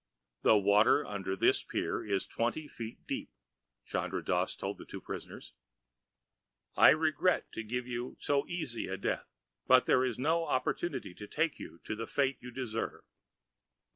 "The water under this pier is twenty feet deep," Chandra Dass told the two prisoners. "I regret to give you so easy a death, but there is no opportunity to take you to the fate you deserve."